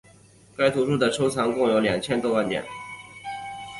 该图书馆的收藏品共有两千多万件。